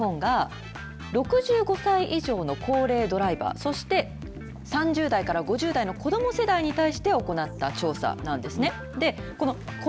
ＮＥＸＣＯ東日本が６５歳以上の高齢ドライバー、そして３０代から５０代の子ども世代に対して行った調査なんですね。